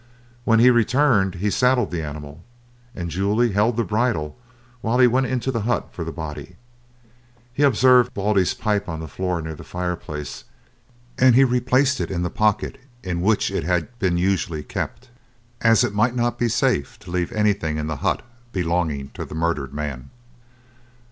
When he returned he saddled the animal, and Julia held the bridle while he went into the hut for the body. He observed Baldy's pipe on the floor near the fire place, and he replaced it in the pocket in which it had been usually kept, as it might not be safe to leave anything in the hut belonging to the murdered man.